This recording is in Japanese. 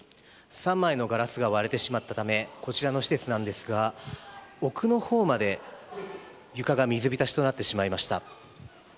３枚のガラスが割れてしまったためこちらの施設なんですが奥のほうまで床が水浸しとなってしまいました。